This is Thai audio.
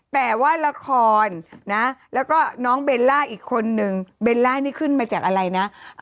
แต่ว่าละครนะแล้วก็น้องเบลล่าอีกคนนึงเบลล่านี่ขึ้นมาจากอะไรนะ